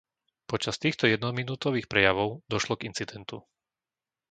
Počas týchto jednominútových prejavov došlo k incidentu.